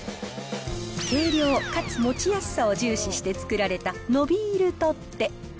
軽量かつ持ちやすさを重視して作られた伸びーる取っ手。